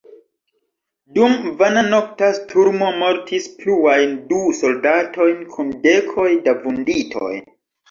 Dum vana nokta sturmo mortis pluajn du soldatojn kun dekoj da vunditoj.